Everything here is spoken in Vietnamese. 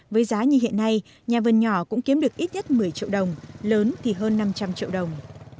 với giá như hiện nay nhà vườn nhỏ cũng kiếm được ít nhất một mươi triệu đồng lớn thì hơn năm trăm linh triệu đồng